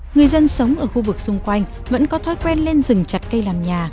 người dân sống ở khu vực xung quanh vẫn có thói quen lên rừng chặt cây làm nhà